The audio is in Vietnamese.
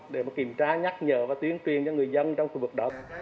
để mà kiểm tra nhắc nhở và tuyến truyền cho người dân trong khu vực đó